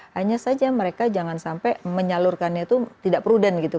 hanya saja mereka jangan sampai menyalurkannya itu tidak prudent gitu